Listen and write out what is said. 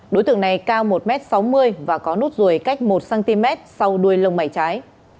đối tượng này cao một sáu mươi m và có nút ruồi cách một cm sau đuôi lông mẩy trái